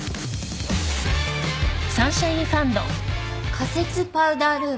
仮設パウダールーム？